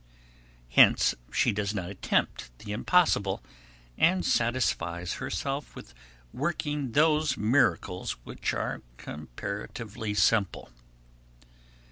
Hence she does not attempt the impossible, and satisfies herself with working those miracles which are comparatively simple.